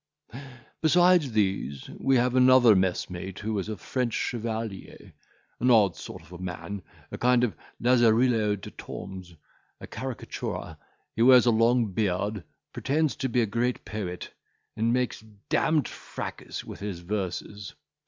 "Besides these, we have another messmate, who is a French chevalier, an odd sort of a man, a kind of Lazarillo de Tormes, a caricatura; he wears a long beard, pretends to be a great poet, and makes a d— ed fracas with his verses.